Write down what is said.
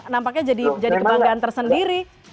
nampaknya jadi kebanggaan tersendiri